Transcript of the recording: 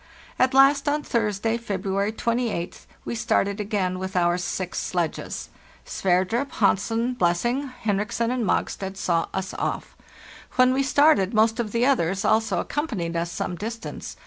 At last, on Thursday, February 28th, we started again with our six sledges. Sverdrup, Hansen, Blessing, Hen riksen, and Mogstad saw us off. When we started, most of the others also accompanied us some distance.